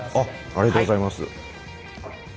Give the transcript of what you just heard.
ありがとうございます。